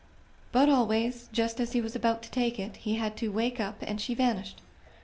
But always, just as he was about to take it, he had to wake up and she vanished.